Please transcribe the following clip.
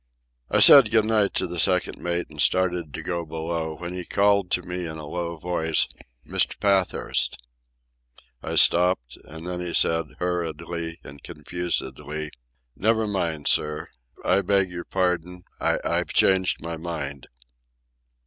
I said good night to the second mate and had started to go below, when he called to me in a low voice, "Mr. Pathurst!" I stopped, and then he said, hurriedly and confusedly: "Never mind, sir ... I beg your pardon ... I—I changed my mind."